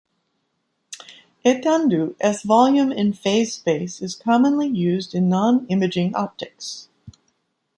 Etendue as volume in phase space is commonly used in nonimaging optics.